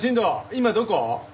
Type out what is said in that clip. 今どこ？